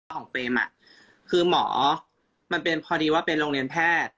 ของเปรมอ่ะคือหมอมันเป็นพอดีว่าเป็นโรงเรียนแพทย์